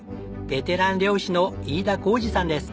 ベテラン漁師の飯田晃司さんです。